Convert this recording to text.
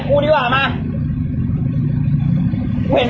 ป่านบอกว่ามาติดต่อก็แค่นั้นเอง